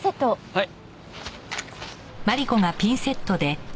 はい。